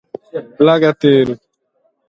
Leghe àteru